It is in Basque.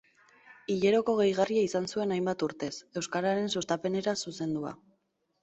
Hileroko gehigarria izan zuen hainbat urtez, euskararen sustapenera zuzendua.